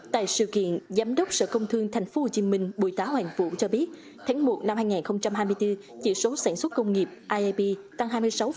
tại sự kiện giám đốc sở công thương tp hcm bùi tá hoàng vũ cho biết tháng một năm hai nghìn hai mươi bốn chỉ số sản xuất công nghiệp iep tăng hai mươi sáu